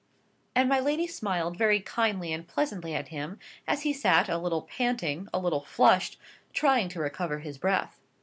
And my lady smiled very kindly and pleasantly at him, as he sat, a little panting, a little flushed, trying to recover his breath.